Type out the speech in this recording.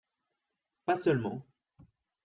Pas seulement